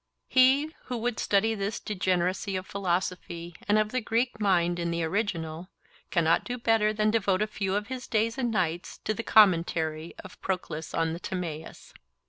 He who would study this degeneracy of philosophy and of the Greek mind in the original cannot do better than devote a few of his days and nights to the commentary of Proclus on the Timaeus.